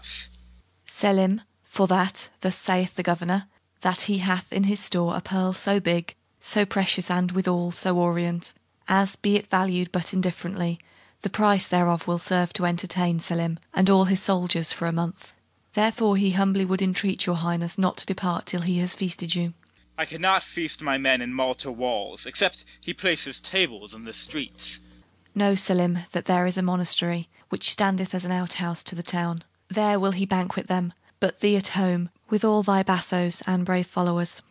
MESSENGER. Selim, for that, thus saith the governor, That he hath in [his] store a pearl so big, So precious, and withal so orient, As, be it valu'd but indifferently, The price thereof will serve to entertain Selim and all his soldiers for a month; Therefore he humbly would entreat your highness Not to depart till he has feasted you. CALYMATH. I cannot feast my men in Malta walls, Except he place his tables in the streets.